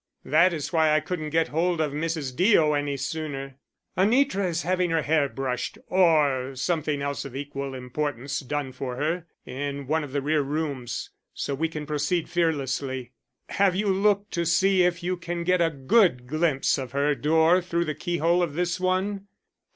"That is why I couldn't get hold of Mrs. Deo any sooner. Anitra is having her hair brushed or something else of equal importance done for her in one of the rear rooms. So we can proceed fearlessly. Have you looked to see if you can get a good glimpse of her door through the keyhole of this one?"